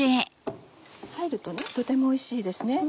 入るととてもおいしいですね。